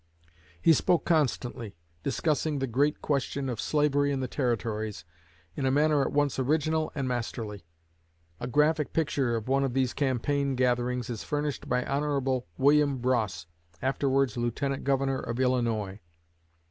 He spoke constantly, discussing the great question of "slavery in the territories" in a manner at once original and masterly. A graphic picture of one of these campaign gatherings is furnished by Hon. William Bross, afterwards Lieutenant Governor of Illinois.